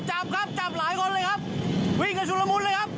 จับครับจับหลายคนเลยครับวิ่งกันชุดละมุนเลยครับ